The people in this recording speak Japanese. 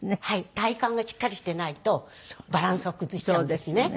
体幹がしっかりしてないとバランスを崩しちゃうんですね。